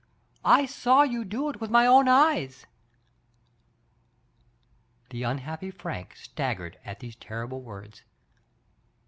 I saw you do it with my own eyes !*' The unhappy Frank staggered at these terrible words.